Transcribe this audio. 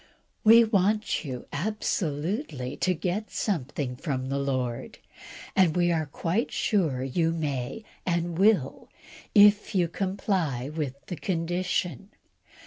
We want you absolutely to get something from the Lord, and we are quite sure you may and will, if you comply with the condition.